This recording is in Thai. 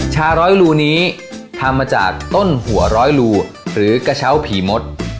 ชาร้อยรูนี้ทำมาจากต้นหัวร้อยรูหรือกระเช้าผีมด